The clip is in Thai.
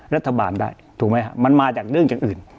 รัฐบาลได้ถูกไหมครับมันมาจากเรื่องอย่างอื่น